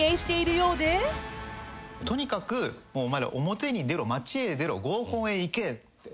「とにかくお前ら表に出ろ街へ出ろ合コンへ行け」って。